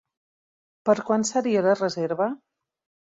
Per quan seria la reserva?